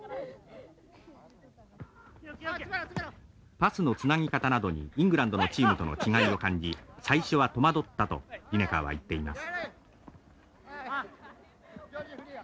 パスのつなぎ方などにイングランドのチームとの違いを感じ最初は戸惑ったとリネカーは言っています。